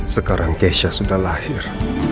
sekarang keisha sudah lahir